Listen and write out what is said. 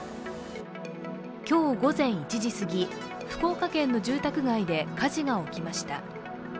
今日午前１時すぎ福岡県の住宅街で火事が起きました。